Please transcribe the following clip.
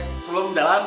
pak sebelum jalan